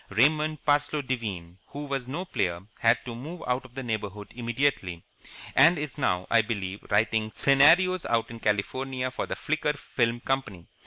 Raymond Parsloe Devine, who was no player, had to move out of the neighbourhood immediately, and is now, I believe, writing scenarios out in California for the Flicker Film Company.